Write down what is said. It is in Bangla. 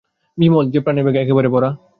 বিমল যে প্রাণের বেগে একেবারে ভরা।